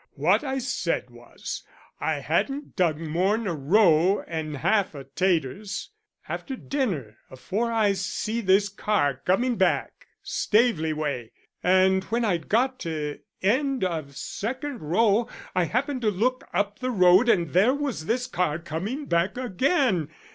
What I said was, I hadn't dug more'n a row and half of taters after dinner afore I see this car coming back Staveley way, and when I'd got to end of second row I happened to look up the road and there was this car coming back again.